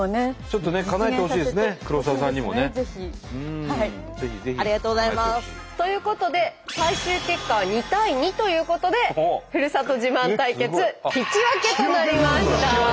ちょっとねかなえてほしいですね黒沢さんにもね。ありがとうございます。ということで最終結果は２対２ということでふるさと自慢対決引き分けとなりました。